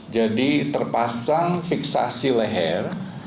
jadi terpasang fiksasi leher